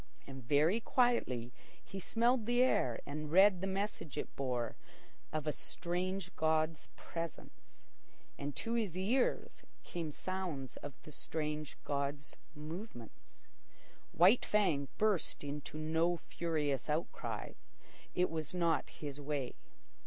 And very quietly he smelled the air and read the message it bore of a strange god's presence. And to his ears came sounds of the strange god's movements. White Fang burst into no furious outcry. It was not his way.